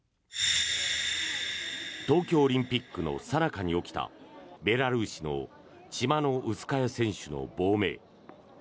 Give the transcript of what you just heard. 東京オリンピックのさなかに起きたベラルーシのチマノウスカヤ選手の亡命。